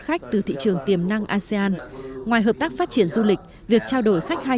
khách từ thị trường tiềm năng asean ngoài hợp tác phát triển du lịch việc trao đổi khách hai